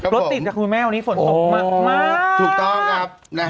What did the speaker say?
รถติดแต่คุณแม่วันนี้ฝนด้มมามาก